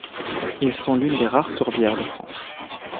Ils sont l’une des rares tourbières de France.